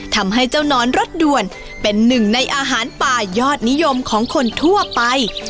ทำให้เจ้านอนรสด่วนเป็นหนึ่งในอาหารป่ายอดนิยมของคนทั่วไป